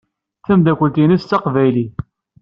Tameddakelt-nnes taqbaylit.